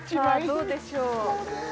どうでしょう